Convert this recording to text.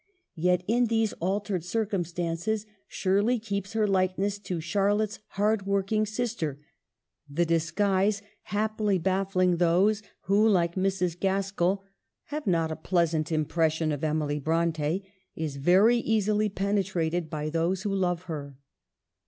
Yet in these altered circumstances Shirley keeps her likeness to Charlotte's hard working sister ; the disguise, haply baffling those who, like Mrs. Gaskell, " have not a pleasant impression of Emily Bronte," is very easily penetrated by those who love her.